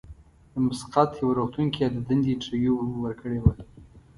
د مسقط یوه روغتون کې یې د دندې انټرویو ورکړې وه.